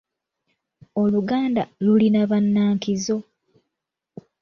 Oluganda lulina bannankizo?